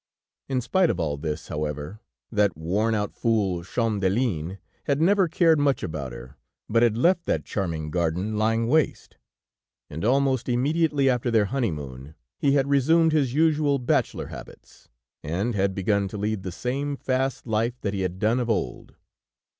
In spite of all this, however, that worn out fool, Champdelin, had never cared much about her, but had left that charming garden lying waste, and almost immediately after their honeymoon, he had resumed is usual bachelor habits, and had begun to lead the same fast life that he had done of old.